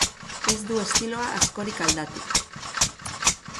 Ez du estiloa askorik aldatu.